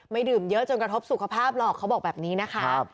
ดื่มเยอะจนกระทบสุขภาพหรอกเขาบอกแบบนี้นะคะ